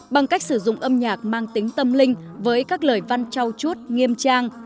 bằng cách sử dụng âm nhạc mang tính tâm linh với các lời văn trao chuốt nghiêm trang